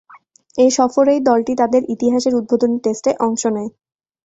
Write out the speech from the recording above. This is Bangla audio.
এ সফরেই দলটি তাদের ইতিহাসের উদ্বোধনী টেস্টে অংশ নেয়।